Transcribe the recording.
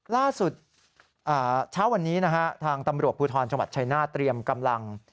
ล่าสุดเช้าวันนี้นะฮะทางตำรวจพูดธรณ์ชมชัยหน้าเตรียมกำลัง